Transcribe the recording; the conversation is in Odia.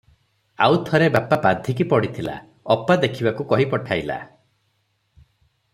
ଆଉ ଥରେ ବାପା ବାଧିକି ପଡ଼ିଥିଲା, ଅପା ଦେଖିବାକୁ କହି ପଠାଇଲା ।